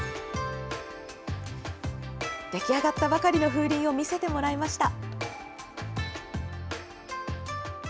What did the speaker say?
出来上がったばかりの風鈴を見せてもらいました。